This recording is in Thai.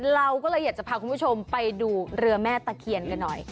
เราก็เลยอยากจะพาคุณผู้ชมไปดูเรือแม่ตะเคียนกันหน่อย